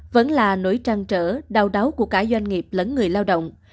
vẫn là nỗi trăng trở đau đáu của cả doanh nghiệp lẫn người lao động